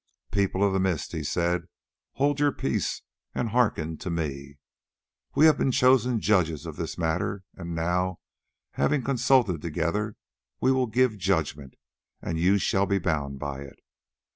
"People of the Mist," he said, "hold your peace, and hearken to me. We have been chosen judges of this matter, and now, having consulted together, we will give judgment, and you shall be bound by it.